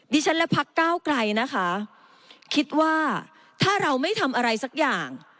ดิฉันและพักก้าวไกลนะคะคิดว่าถ้าเราไม่ทำอะไรสักอย่าง